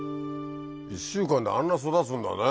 １週間であんな育つんだね。